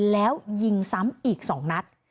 แล้วยิงซ้ำอีก๒นัด